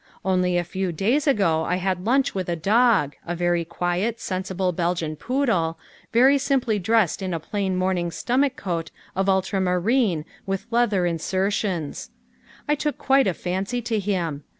Only a few days ago I had lunch with a dog, a very quiet, sensible Belgian poodle, very simply dressed in a plain morning stomach coat of ultramarine with leather insertions. I took quite a fancy to him.